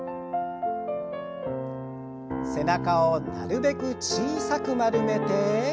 背中をなるべく小さく丸めて。